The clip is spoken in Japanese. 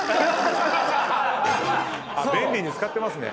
便利に使ってますね。